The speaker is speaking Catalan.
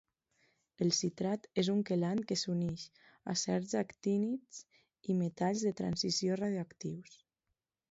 El citrat és un quelant que s'uneix a certs actínids i metalls de transició radioactius.